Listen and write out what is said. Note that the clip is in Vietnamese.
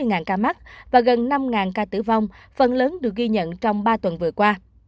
tổng cộng chín mươi ca mắc và gần năm ca tử vong phần lớn được ghi nhận trong ba tuần vừa qua